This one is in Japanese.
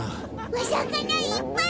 お魚いっぱい！